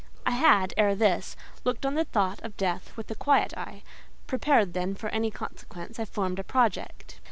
I had, ere this, looked on the thought of death with a quiet eye. Prepared, then, for any consequences, I formed a project.